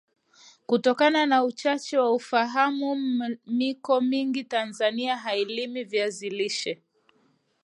Kutokana na Uchache wa ufaham miko mingi TAnzania hailimi viazi lishe